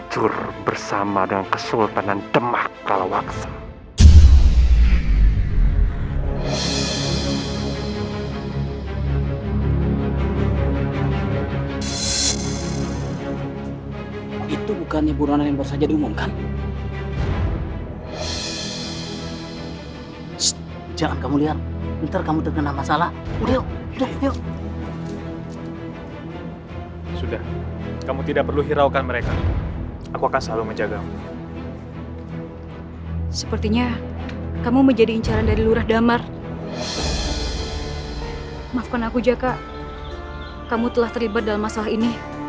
jangan lupa untuk berhenti mencari kesalahan